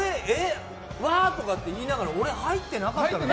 わーっとか言いながら俺、入ってなかったら。